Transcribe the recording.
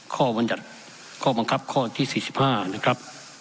ข้อบังคับข้อที่๔๕นะครับ